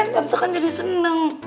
tante kan jadi seneng